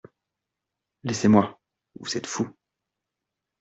Laissez-moi ! vous êtes fou.